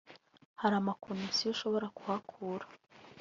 hari ama connection ushobora kuhakura